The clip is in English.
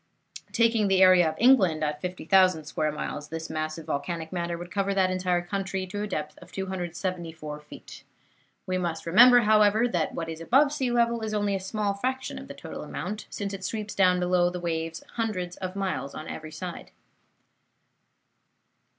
Taking the area of England at 50,000 square miles, this mass of volcanic matter would cover that entire country to a depth of 274 feet. We must remember, however, that what is above sea level is only a small fraction of the total amount, since it sweeps down below the waves hundreds of miles on every side.